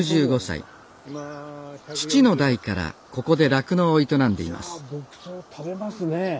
父の代からここで酪農を営んでいます